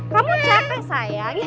kamu capek sayang